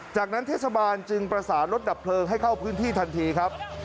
จากนั้นเทศบาลจึงประสานรถดับเพลิงให้เข้าพื้นที่ทันทีครับ